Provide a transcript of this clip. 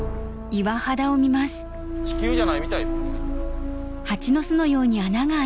地球じゃないみたいっすね。